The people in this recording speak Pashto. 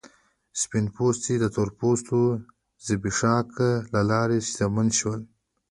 سپین پوستي د تور پوستو زبېښاک له لارې شتمن شول.